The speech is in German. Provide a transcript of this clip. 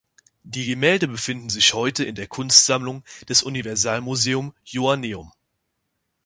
Die Gemälde befinden sich heute in der Kunstsammlung des Universalmuseum Joanneum.